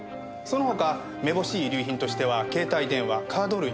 その他めぼしい遺留品としては携帯電話カード類